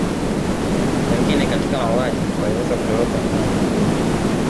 Wengine katika mauaji waliweza kutoroka eneo la tukio